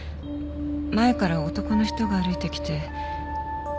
前から男の人が歩いてきて。